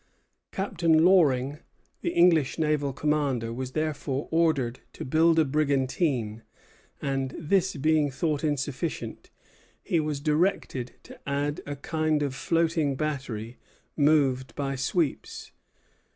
Captain Loring, the English naval commander, was therefore ordered to build a brigantine; and, this being thought insufficient, he was directed to add a kind of floating battery, moved by sweeps.